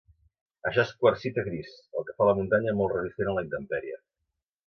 Això es quarsita gris, el que fa la muntanya molt resistent a la intempèrie.